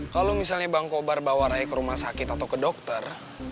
kalau misalnya bang kobar bawa naik ke rumah sakit atau ke dokter